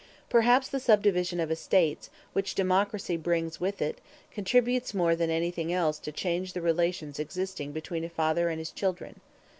Perhaps the subdivision of estates which democracy brings with it contributes more than anything else to change the relations existing between a father and his children.